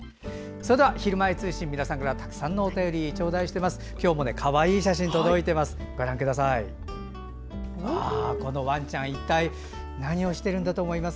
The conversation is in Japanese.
それでは「ひるまえ通信」皆さんからたくさんのお便り頂戴しています。